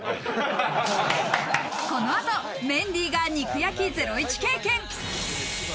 この後、メンディーが肉焼きゼロイチ経験。